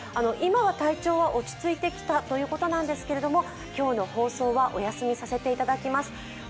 今は体調は落ち着いてきたということなんですけれども、今日の放送はお休みさせていただきます。